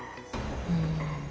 うん。